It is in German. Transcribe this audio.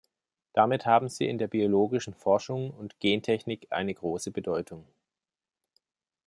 Damit haben sie in der biologischen Forschung und Gentechnik eine große Bedeutung.